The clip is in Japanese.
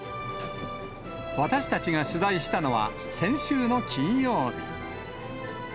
私たちが取材したのは、先週の金曜日。